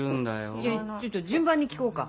ちょっと順番に聞こうか。